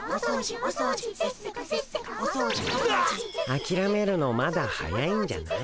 あきらめるのまだ早いんじゃない？